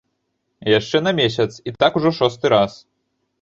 Яшчэ на месяц, і так ужо шосты раз.